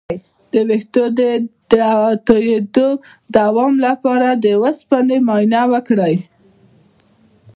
د ویښتو د تویدو د دوام لپاره د اوسپنې معاینه وکړئ